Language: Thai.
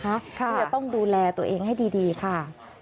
ที่จะต้องดูแลตัวเองให้ดีค่ะ